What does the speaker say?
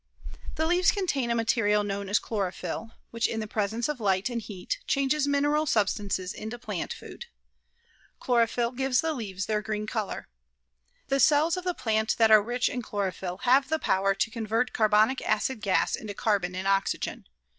The leaves contain a material known as chlorophyll, which, in the presence of light and heat, changes mineral substances into plant food. Chlorophyll gives the leaves their green color. The cells of the plant that are rich in chlorophyll have the power to convert carbonic acid gas into carbon and oxygen.